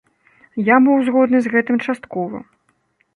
Я быў згодны з гэтым часткова.